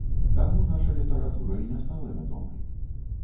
Таму наша літаратура і не стала вядомай.